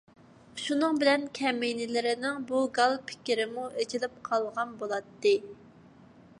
شۇنىڭ بىلەن كەمىنىلىرىنىڭ بۇ گال پىكرىمۇ ئېچىلىپ قالغان بولاتتى.